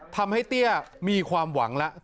ทำให้เตี้ยมีความหวังแล้ว